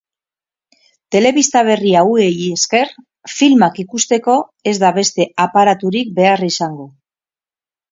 Telebista berri hauei esker, filmak ikusteko ez da beste aparaturik behar izango.